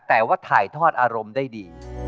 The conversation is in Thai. แต่ว่าถ่ายทอดอารมณ์ได้ดี